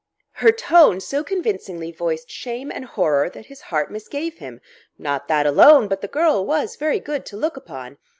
Her tone so convincingly voiced shame and horror that his heart misgave him. Not that alone, but the girl was very good to look upon.